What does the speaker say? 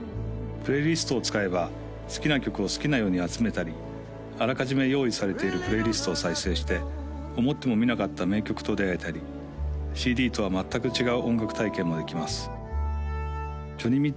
プレイリストを使えば好きな曲を好きなように集めたりあらかじめ用意されているプレイリストを再生して思ってもみなかった名曲と出会えたりＣＤとは全く違う音楽体験もできますジョニ